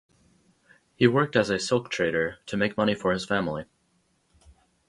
He worked as a silk trader to make money for his family.